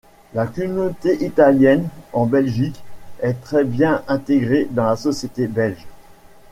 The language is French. La communauté italienne en Belgique est très bien intégrée dans la société belge.